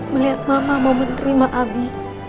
melihat mama mau menerima abi